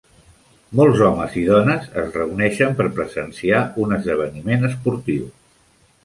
Molts homes i dones es reuneixen per presenciar un esdeveniment esportiu.